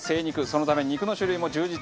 そのため肉の種類も充実。